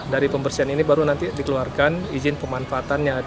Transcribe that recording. dari pembersihan ini baru nanti dikeluarkan izin pemanfaatannya